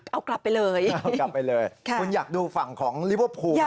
เอากลับไปเลยคุณอยากดูฝั่งของลิเวอร์พูมั้ย